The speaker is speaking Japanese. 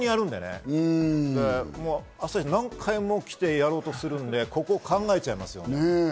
執拗にやるんでね、何回も来てやろうとするんで、ここを考えちゃいますよね。